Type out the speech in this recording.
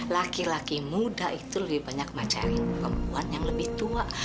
laki laki muda itu lebih banyak macam perempuan yang lebih tua